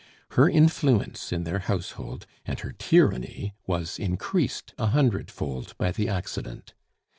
Her influence in their household and her tyranny was increased a hundred fold by the accident.